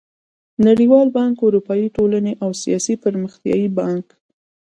د نړېوال بانک، اروپايي ټولنې او اسيايي پرمختيايي بانک